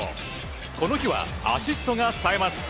この日はアシストが、さえます。